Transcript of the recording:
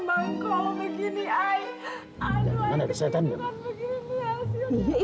aku jangan kembang brokoli dan kembang ko begini i